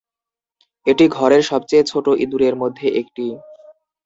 এটি ঘরের সবচেয়ে ছোট ইঁদুরের মধ্যে একটি।